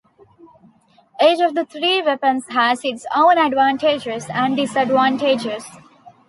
Each of the three weapons has its own advantages and disadvantages.